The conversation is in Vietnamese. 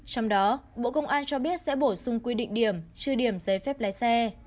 trong đó bộ công an cho biết sẽ bổ sung quy định điểm trừ điểm giấy phép lái xe